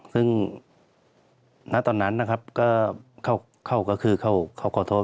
ซึ่งตอนนั้นเขาก็คือเขาก็โทษ